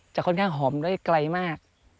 ค่อนข้างหอมได้ไกลมาก